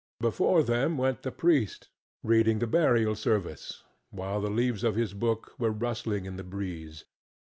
Before them went the priest, reading the burial service, while the leaves of his book were rustling in the breeze.